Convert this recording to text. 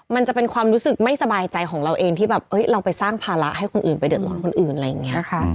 มันจะเป็นความรู้สึกไม่สบายใจของเราเองที่แบบเราไปสร้างภาระให้คนอื่นไปเดือดร้อนคนอื่นอะไรอย่างนี้ค่ะ